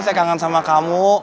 saya kangen sama kamu